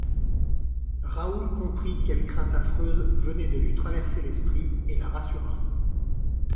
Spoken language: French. Raoul comprit quelle crainte affreuse venait de lui traverser l'esprit et la rassura.